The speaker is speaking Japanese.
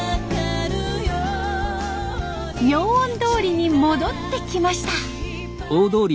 妙音通に戻ってきました。